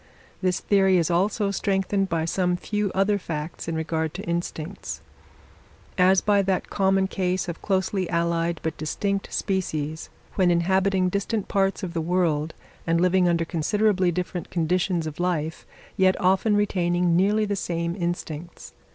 This theory is also strengthened by some few other facts in regard to instincts; as by that common case of closely allied, but distinct, species, when inhabiting distant parts of the world and living under considerably different conditions of life, yet often retaining nearly the same instincts.